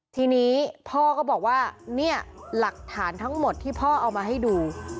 ทีนี้พ่อก็บอกว่าเนี่ยหลักฐานทั้งหมดที่พ่อเอามาให้ดู